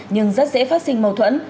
nhưng rất dễ phát sinh mâu thuẫn